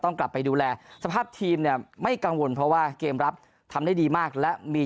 ต้องกลับไปดูแลสภาพทีมเนี่ยไม่กังวลเพราะว่าเกมรับทำได้ดีมากและมี